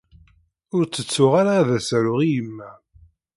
Ur ttettuɣ ara ad as-aruɣ i yemma.